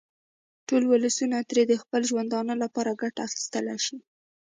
ټول ولسونه ترې د خپل ژوندانه لپاره ګټه اخیستلای شي.